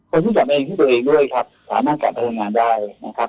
คนที่กลับมาเองที่ตัวเองด้วยครับสามารถกลับไปทำงานได้นะครับ